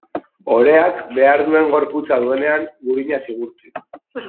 Oreak behar duen gorputza duenean, gurinaz igurtzi.